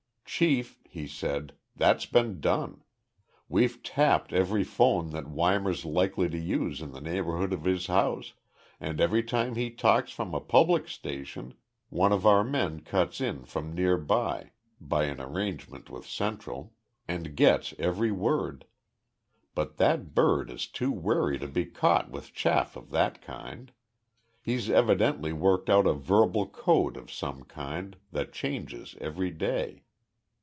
"Chief," he said, "that's been done. We've tapped every phone that Weimar's likely to use in the neighborhood of his house and every time he talks from a public station one of our men cuts in from near by by an arrangement with Central and gets every word. But that bird is too wary to be caught with chaff of that kind. He's evidently worked out a verbal code of some kind that changes every day.